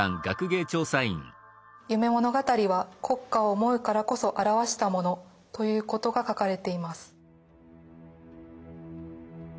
「夢物語」は「国家を思うからこそ著したもの」ということが書かれています。